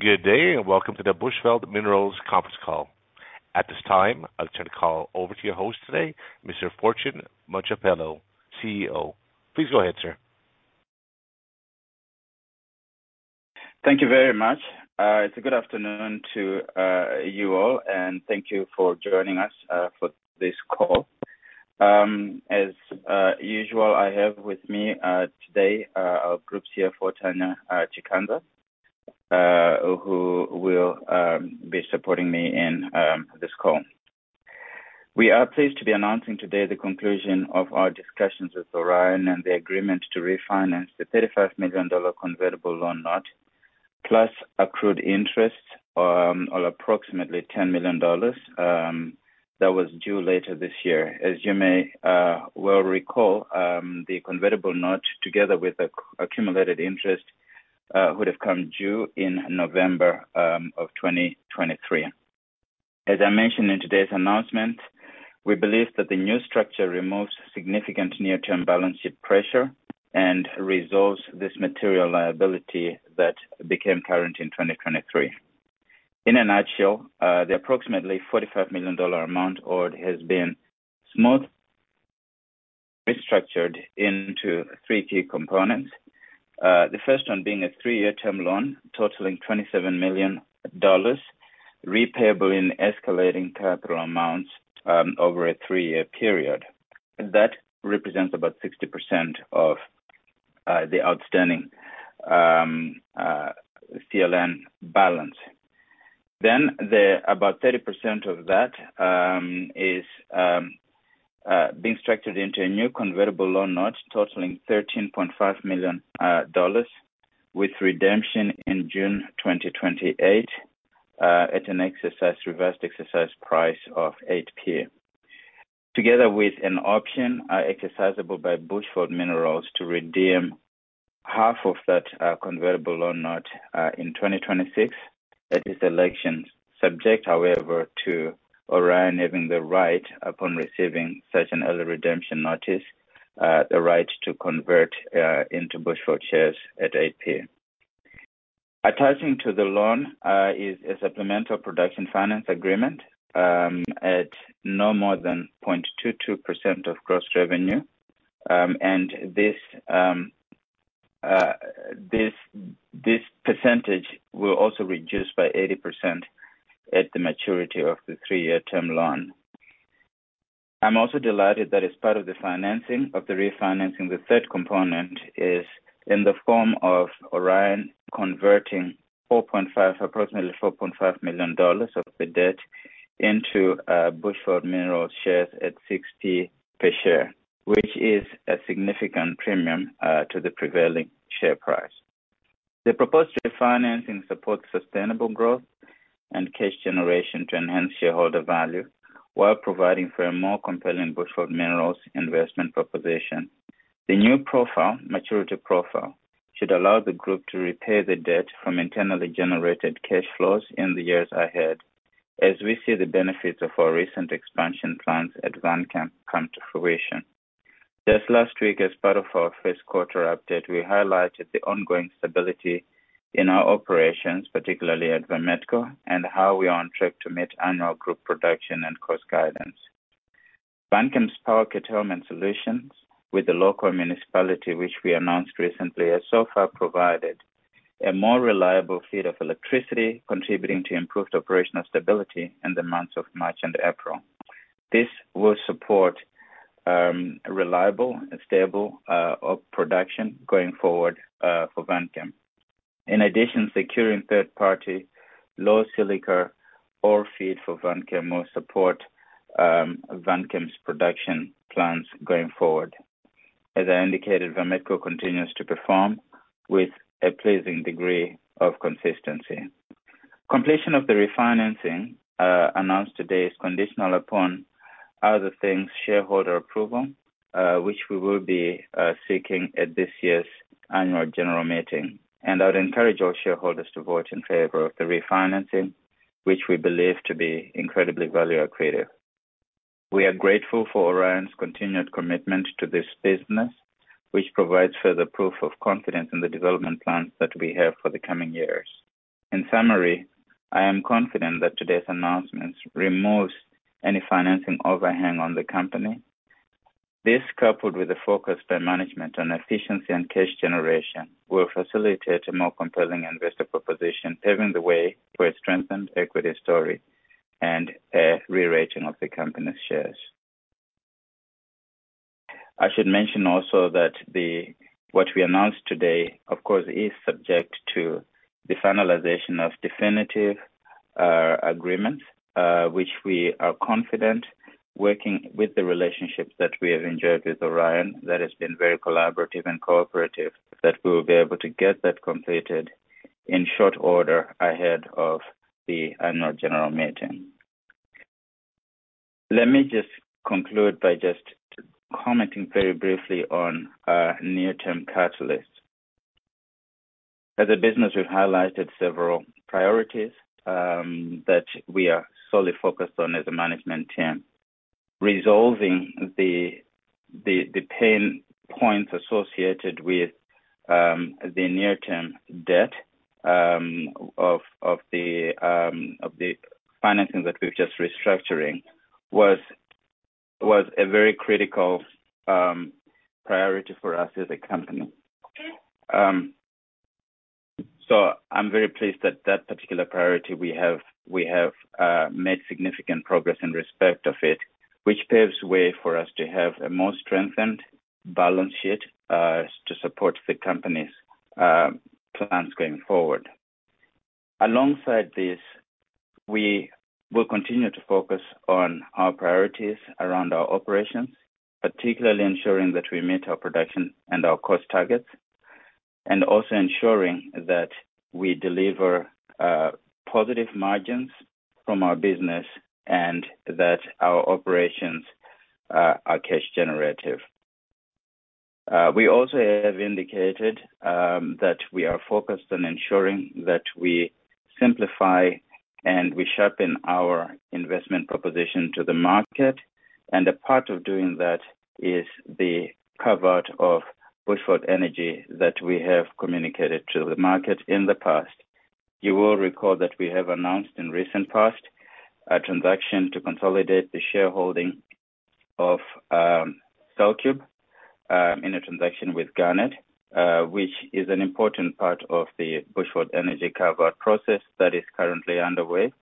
Good day, welcome to the Bushveld Minerals conference call. At this time, I'll turn the call over to your host today, Mr. Fortune Mojapelo, CEO. Please go ahead, sir. Thank you very much. It's a good afternoon to you all, and thank you for joining us for this call. As usual, I have with me today our Group CFO, Tanya Chikanza, who will be supporting me in this call. We are pleased to be announcing today the conclusion of our discussions with Orion and the agreement to refinance the $35 million convertible loan note, plus accrued interest, of approximately $10 million, that was due later this year. As you may well recall, the convertible note, together with accumulated interest, would have come due in November of 2023. As I mentioned in today's announcement, we believe that the new structure removes significant near-term balance sheet pressure and resolves this material liability that became current in 2023. In a nutshell, the approximately $45 million amount owed has been restructured into three key components. The first one being a three-year term loan totaling $27 million, repayable in escalating capital amounts, over a three-year period. That represents about 60% of the outstanding CLN balance. About 30% of that is being structured into a new convertible loan note totaling $13.5 million with redemption in June 2028 at a reversed exercise price of 8p. Together with an option exercisable by Bushveld Minerals to redeem half of that convertible loan note in 2026. That is election subject, however, to Orion having the right upon receiving such an early redemption notice, the right to convert into Bushveld shares at 8p. Attaching to the loan is a supplemental production finance agreement at no more than 0.22% of gross revenue. This percentage will also reduce by 80% at the maturity of the three-year term loan. I'm also delighted that as part of the financing of the refinancing, the third component is in the form of Orion converting approximately $4.5 million of the debt into Bushveld Minerals shares at 60 per share, which is a significant premium to the prevailing share price. The proposed refinancing supports sustainable growth and cash generation to enhance shareholder value while providing for a more compelling Bushveld Minerals investment proposition. The new profile, maturity profile should allow the group to repay the debt from internally generated cash flows in the years ahead as we see the benefits of our recent expansion plans at Vanchem come to fruition. Just last week, as part of our first quarter update, we highlighted the ongoing stability in our operations, particularly at Vametco, and how we are on track to meet annual group production and cost guidance. Vanchem's power curtailment solutions with the local municipality, which we announced recently, has so far provided a more reliable feed of electricity, contributing to improved operational stability in the months of March and April. This will support reliable and stable op production going forward for Vanchem. In addition, securing third-party low silica ore feed for Vanchem will support Vanchem's production plans going forward. As I indicated, Vametco continues to perform with a pleasing degree of consistency. Completion of the refinancing, announced today is conditional upon other things, shareholder approval, which we will be seeking at this year's annual general meeting. I'd encourage all shareholders to vote in favor of the refinancing, which we believe to be incredibly value accretive. We are grateful for Orion's continued commitment to this business, which provides further proof of confidence in the development plans that we have for the coming years. In summary, I am confident that today's announcements removes any financing overhang on the company. This, coupled with the focus by management on efficiency and cash generation, will facilitate a more compelling investor proposition, paving the way for a strengthened equity story and a rerating of the company's shares. I should mention also that the, what we announced today, of course, is subject to the finalization of definitive agreements, which we are confident, working with the relationships that we have enjoyed with Orion, that has been very collaborative and cooperative, that we will be able to get that completed in short order ahead of the annual general meeting. Let me just conclude by just commenting very briefly on our near-term catalysts. As a business, we've highlighted several priorities that we are solely focused on as a management team. Resolving the pain points associated with the near term debt of the financing that we're just restructuring was a very critical priority for us as a company. I'm very pleased that that particular priority we have made significant progress in respect of it, which paves way for us to have a more strengthened balance sheet to support the company's plans going forward. Alongside this, we will continue to focus on our priorities around our operations, particularly ensuring that we meet our production and our cost targets, also ensuring that we deliver positive margins from our business and that our operations are cash generative. We also have indicated that we are focused on ensuring that we simplify and we sharpen our investment proposition to the market. A part of doing that is the carve-out of Bushveld Energy that we have communicated to the market in the past. You will recall that we have announced in recent past a transaction to consolidate the shareholding of Cellcube in a transaction with Garnet, which is an important part of the Bushveld Energy cover process that is currently underway.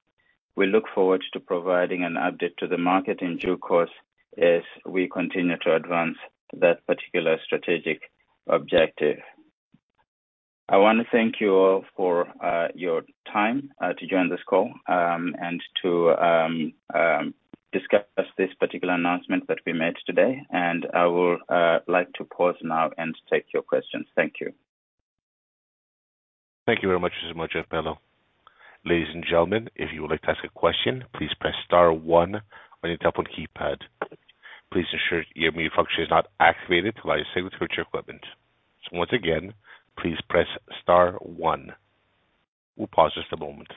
We look forward to providing an update to the market in due course as we continue to advance that particular strategic objective. I wanna thank you all for your time to join this call and to discuss this particular announcement that we made today. I will like to pause now and take your questions. Thank you. Thank you very much, Mr. Mojapelo. Ladies and gentlemen, if you would like to ask a question, please press star one on your telephone keypad. Please ensure your mute function is not activated to avoid any safety with your equipment. Once again, please press star one. We'll pause just a moment.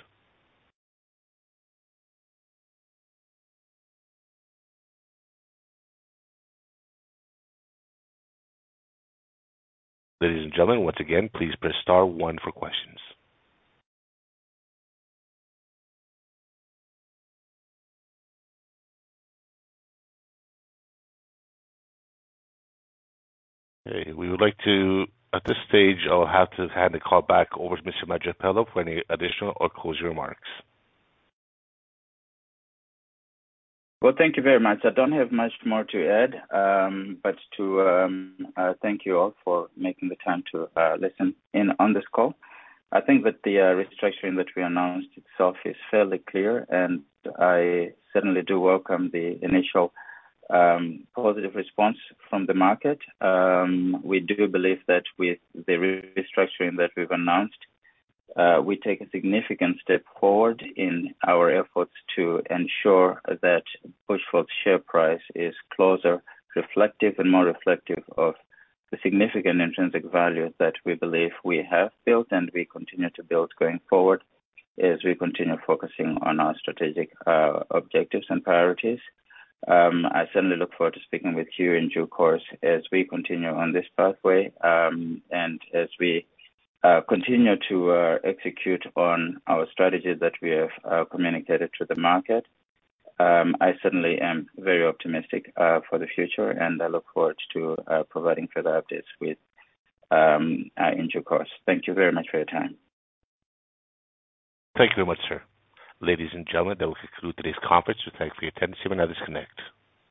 Ladies and gentlemen, once again, please press star one for questions. Okay. At this stage, I'll have to hand the call back over to Mr. Mojapelo for any additional or closing remarks. Well, thank you very much. I don't have much more to add. To thank you all for making the time to listen in on this call. I think that the restructuring that we announced itself is fairly clear. I certainly do welcome the initial positive response from the market. We do believe that with the restructuring that we've announced, we take a significant step forward in our efforts to ensure that Bushveld share price is closer reflective and more reflective of the significant intrinsic value that we believe we have built and we continue to build going forward as we continue focusing on our strategic objectives and priorities. I certainly look forward to speaking with you in due course as we continue on this pathway, and as we continue to execute on our strategies that we have communicated to the market. I certainly am very optimistic for the future, and I look forward to providing further updates with in due course. Thank you very much for your time. Thank you very much, sir. Ladies and gentlemen, that will conclude today's conference. We thank you for your attendance. You may now disconnect.